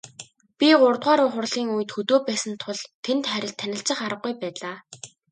Би гуравдугаар хурлын үед хөдөө байсан тул тэнд танилцах аргагүй байлаа.